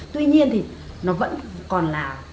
tuy nhiên thì nó vẫn còn là